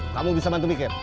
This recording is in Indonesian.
kamu bisa bantu mikir